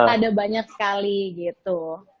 ada banyak sekali gitu